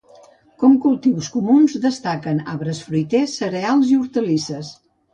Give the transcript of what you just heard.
Com cultius comuns destaquen arbres fruiters, cereals i hortalisses.